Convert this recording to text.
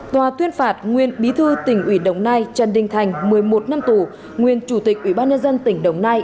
tòa tuyên phạt nguyễn bí thư tỉnh ủy đồng nai trần đinh thành một mươi một năm tù nguyễn chủ tịch ủy ban nhân dân tỉnh đồng nai